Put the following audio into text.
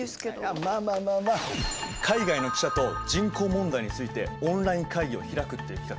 まあまあまあまあ海外の記者と人口問題についてオンライン会議を開くっていう企画。